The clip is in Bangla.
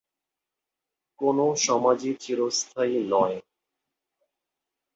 কোনো সমাজই চিরস্থির নয়।